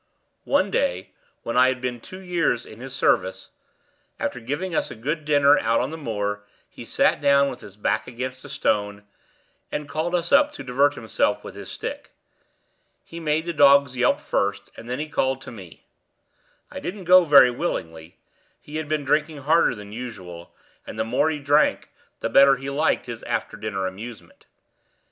One day (when I had been two years in his service), after giving us a good dinner out on the moor, he sat down with his back against a stone, and called us up to divert himself with his stick. He made the dogs yelp first, and then he called to me. I didn't go very willingly; he had been drinking harder than usual, and the more he drank the better he liked his after dinner amusement.